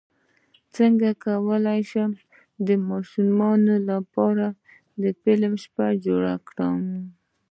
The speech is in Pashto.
څنګه کولی شم د ماشومانو لپاره د فلم شپه جوړه کړم